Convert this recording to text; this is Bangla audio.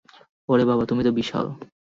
ওরে বাবা, তুমি তো বিশাল।